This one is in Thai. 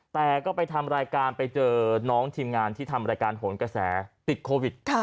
แต่ก็ไปทำรายการไปเจอน้องทีมงานที่ทำรายการโหนกระแสติดโควิด